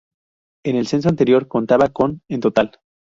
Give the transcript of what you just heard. En el censo anterior contaba con en total.